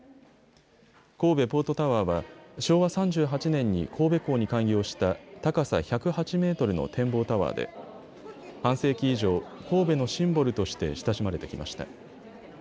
神戸ポートタワーは昭和３８年に神戸港に開業した高さ１０８メートルの展望タワーで半世紀以上、神戸のシンボルとして親しまれてきました。